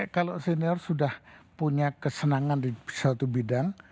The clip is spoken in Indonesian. kalau senior sudah punya kesenangan di suatu bidang